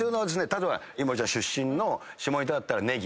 例えば井森ちゃん出身の下仁田だったらネギ。